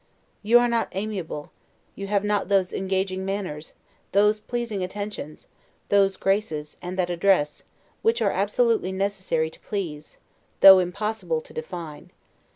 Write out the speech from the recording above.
You are not aimable: you have not those engaging manners, those pleasing attentions, those graces, and that address, which are absolutely necessary to please, though impossible to define.